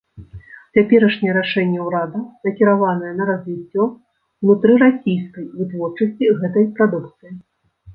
Цяперашняе рашэнне ўрада накіраванае на развіццё ўнутрырасійскай вытворчасці гэтай прадукцыі.